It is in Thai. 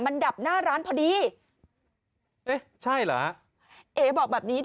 มันดับหน้าร้านพอดีเอ๊ะใช่เหรอเอ๋บอกแบบนี้